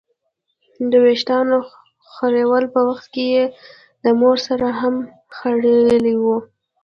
د ویښتانو خریلو په وخت یې د مور سر هم خرېیلی و.